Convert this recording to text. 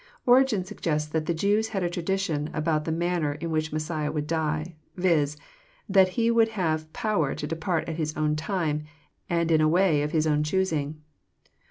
Origen suggests that the Jews had a tradition about the man ner in which Messiah would die : viz., *' that He would have power to depart at His own time, and in a way of II is own choosing."